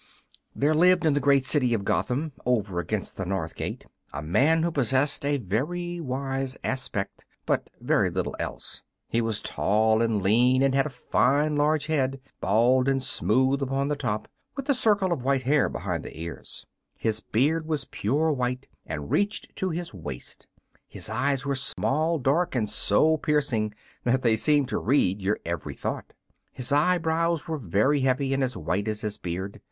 THERE lived in the great city of Gotham, over against the north gate, a man who possessed a very wise aspect, but very little else. He was tall and lean, and had a fine large head, bald and smooth upon the top, with a circle of white hair behind the ears. His beard was pure white, and reached to his waist; his eyes were small, dark, and so piercing that they seemed to read your every thought. His eyebrows were very heavy, and as white as his beard.